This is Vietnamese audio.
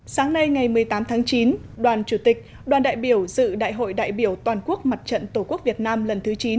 sáng nay ngày một mươi tám tháng chín đoàn chủ tịch đoàn đại biểu dự đại hội đại biểu toàn quốc mặt trận tổ quốc việt nam lần thứ chín